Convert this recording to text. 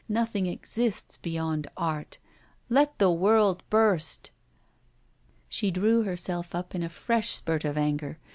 Nothing exists beyond art; let the world burst!' She drew herself up in a fresh spurt of anger.